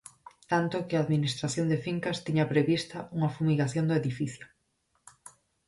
Tanto que a administración de fincas tiña prevista unha fumigación do edificio.